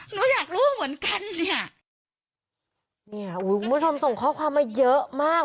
หนูอยากรู้เหมือนกันเนี่ยอุ้ยคุณผู้ชมส่งข้อความมาเยอะมาก